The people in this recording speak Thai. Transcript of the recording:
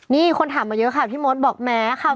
นี่คนถามมาเยอะค่ะพี่มดบอกแม้ค่ะ